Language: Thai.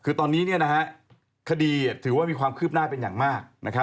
คือตอนนี้คดีถือว่ามีความคืบหน้าเป็นอย่างมาก